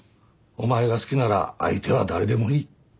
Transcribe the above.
「お前が好きなら相手は誰でもいい」